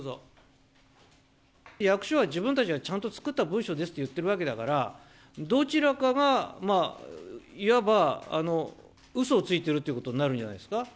役所は自分たちがちゃんと作った文書ですと言ってるわけだから、どちらかがいわばうそをついているということになるんじゃないですか。